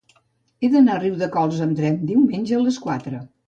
He d'anar a Riudecols amb tren diumenge a les quatre.